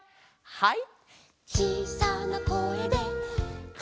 はい。